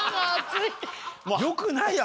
よくないよ！